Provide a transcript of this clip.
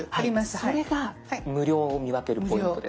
それが無料を見分けるポイントです。